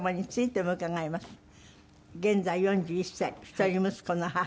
現在４１歳一人息子の母。